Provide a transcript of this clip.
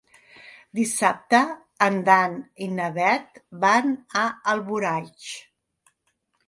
Dissabte en Dan i na Bet van a Alboraig.